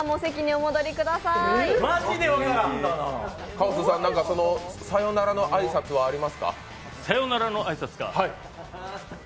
カオスさん、さようならの挨拶はありますか？